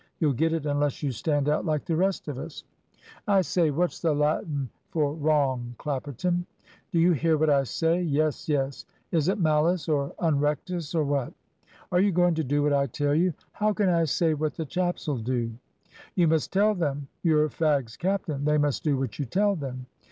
You'll get it unless you stand out like the rest of us." "I say, what's the Latin for `wrong,' Clapperton?" "Do you hear what I say?" "Yes, yes is it `malus,' or `unrectus,' or what?" "Are you going to do what I tell you?" "How can I say what the chaps'll do?" "You must tell them; you're fags' captain. They must do what you tell them."